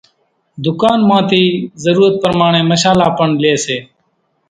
ڌُڪان مان ٿي ضرورت پرماڻي مشالا پڻ لئي سي۔